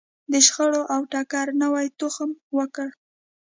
د شخړو او ټکر نوی تخم وکره.